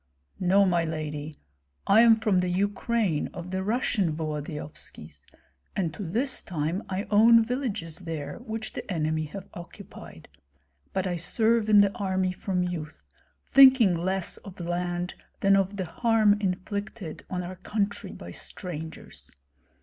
"No, my lady, I am from the Ukraine of the Russian Volodyovskis, and to this time I own villages there which the enemy have occupied; but I serve in the army from youth, thinking less of land than of the harm inflicted on our country by strangers.